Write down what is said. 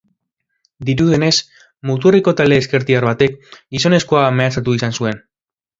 Dirudienez, muturreko talde ezkertiar batek gizonezkoa mehatxatu izan zuen.